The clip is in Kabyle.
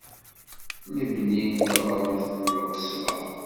Lebni n teɣremt n Lqesba.